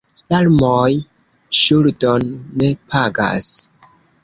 Larmoj ŝuldon ne pagas.